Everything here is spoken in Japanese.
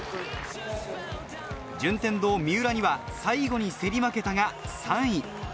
順天堂・三浦には最後に競り負けたが、３位。